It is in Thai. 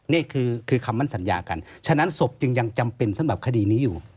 นี่คือคำมั่นสัญญากันฉะนั้นศพจึงยังจำเป็นสำหรับคดีนี้อยู่